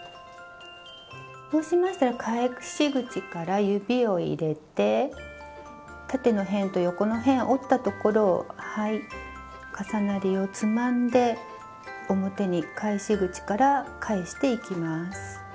そうしましたら返し口から指を入れて縦の辺と横の辺を折ったところをはい重なりをつまんで表に返し口から返していきます。